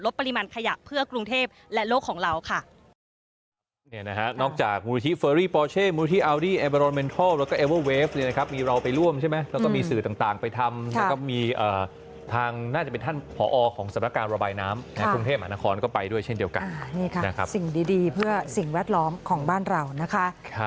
ปริมาณขยะเพื่อกรุงเทพและโลกของเราค่ะ